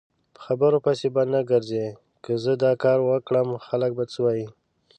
په خبرو پسې به نه ګرځی که زه داکاروکړم خلک به څه وایي؟